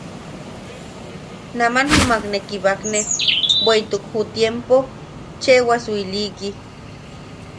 Naman jumak ne kibakne bweʼituk ju tiempo cheʼebwasu iliki.